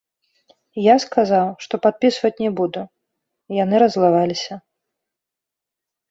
Я сказаў, што падпісваць не буду, яны раззлаваліся.